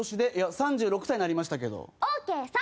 ３６歳になりましたけど。